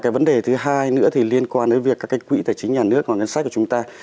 vấn đề thứ hai nữa liên quan đến việc các quỹ tài chính nhà nước ngoài ngân sách của chúng ta